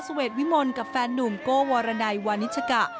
สเวศวิมนต์กับแฟนหนุ่มโก้วรณัยวานิชกะ